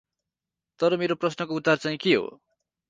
तर मेरो प्रश्नको उत्तर चाँहि के हो?